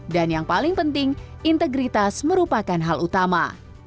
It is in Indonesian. dan yang paling penting integritas merupakan hal utama